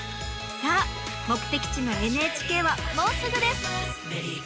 さあ目的地のＮＨＫはもうすぐです！